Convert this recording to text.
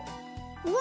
うわ！